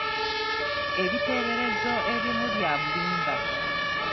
Ebiteeberezo ebimu bya bulimba.